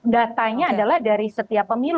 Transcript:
datanya adalah dari setiap pemilu